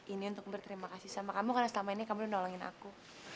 ini untuk berterima kasih sama kamu karena selama ini kamu nolongin aku